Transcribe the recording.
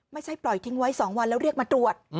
ไม่ใช่ปล่อยทิ้งไว้๒วันแล้วเรียกมาตรวจ